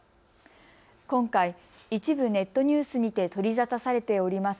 今回、一部ネットニュースにて取り沙汰されております